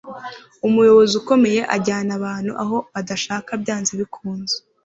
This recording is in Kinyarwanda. umuyobozi ukomeye ajyana abantu aho badashaka byanze bikunze